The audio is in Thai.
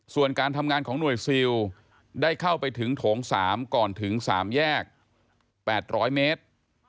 ส่วนการทำงานของหน่วยซิลได้เข้าไปถึงโถง๓ก่อนถึง๓แยก๘๐๐เมตร